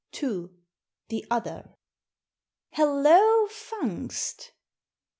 — THE OTHER. "Hollo, Fungst!"